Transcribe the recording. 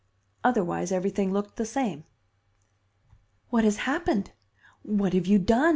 Otherwise, everything looked the same. "'What has happened? What have you done?